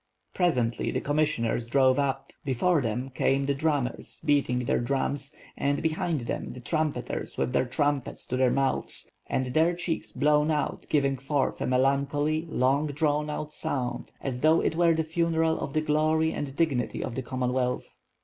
Presently, the commissioners drove up; before them came the drummers, beating their drums, and behind them the trumpeters with their trumpets to their mouths, and their their cheeks blown out giving forth a melancholy, long drawn out sound, as though it were the funeral of the glory and dignity of the Commonwealth.